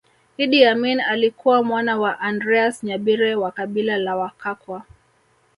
Idi Amin alikuwa mwana wa Andreas Nyabire wa kabila la Wakakwa